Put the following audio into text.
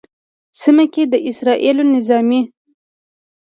سیمه کې د اسرائیلو نظامي